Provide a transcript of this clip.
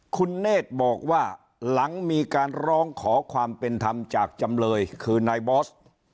คุณเนธบอกว่าหลังมีการร้องขอความเป็นธรรมจากจำเลยคือนายบอส